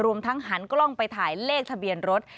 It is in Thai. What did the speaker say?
รวมทั้งหันกล้องไปถ่ายเลขทะเบียนรถ